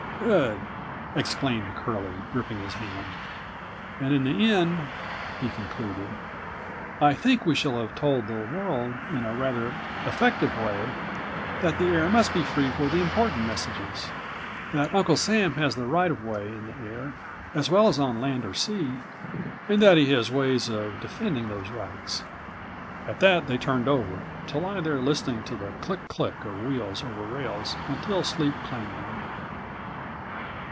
"Good!" exclaimed Curlie, gripping his hand. "And in the end," he concluded, "I think we shall have told the world in a rather125 effective way that the air must be free for the important messages; that Uncle Sam has the right of way in the air as well as on land or sea and that he has ways of defending those rights." At that they turned over, to lie there listening to the click click of wheels over rails until sleep claimed them.